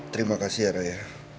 terima kasih raya